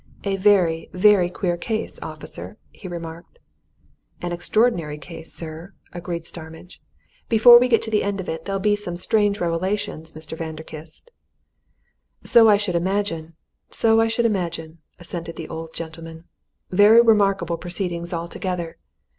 "A very, very queer case, officer!" he remarked. "An extraordinary case, sir," agreed Starmidge. "Before we get to the end of it there'll be some strange revelations, Mr. Vanderkiste." "So I should imagine so I should imagine!" assented the old gentleman. "Very remarkable proceedings altogether!